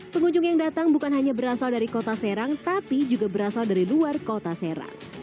pengunjung yang datang bukan hanya berasal dari kota serang tapi juga berasal dari luar kota serang